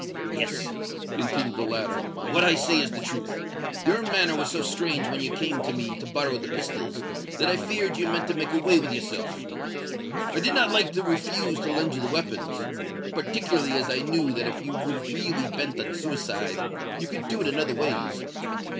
"Yes," continued the latter, "what I say is the truth. Your manner was so strange when you came to me to borrow the pistols, that I feared you meant to make away with yourself. I did not like to refuse to lend you the weapons—particularly as I knew that if you was really bent on suicide, you could do it in other ways.